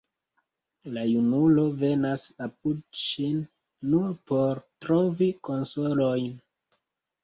La junulo venas apud ŝin nur por trovi konsolojn.